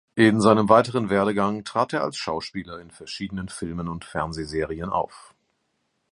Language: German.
In seinem weiteren Werdegang trat er als Schauspieler in verschiedenen Filmen und Fernsehserien auf.